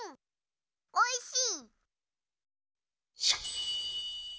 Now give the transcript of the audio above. おいしい！